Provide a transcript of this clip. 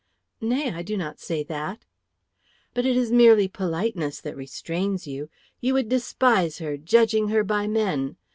"Nay; I do not say that." "But it is merely politeness that restrains you. You would despise her, judging her by men.